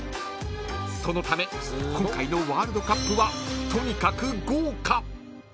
［そのため今回のワールドカップはとにかく豪華！］